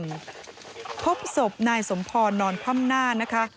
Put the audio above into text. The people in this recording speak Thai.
พบศพนายสมพรนอนคว่ำหน้านะคะ